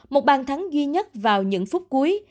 một bàn thắng ghi nhất vào những phút cuối